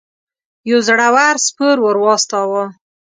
یو زړه ور سپور ور واستاوه.